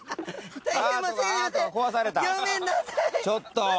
ちょっと。